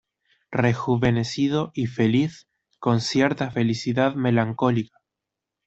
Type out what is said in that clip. rejuvenecido y feliz, con cierta felicidad melancólica